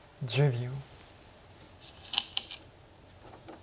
１０秒。